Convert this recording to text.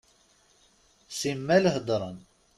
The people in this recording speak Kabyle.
Simmal heddren.